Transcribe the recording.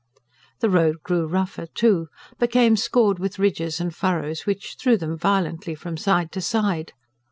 The road grew rougher, too became scored with ridges and furrows which threw them violently from side to side.